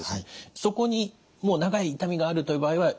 そこにもう長い痛みがあるという場合は行けばよい？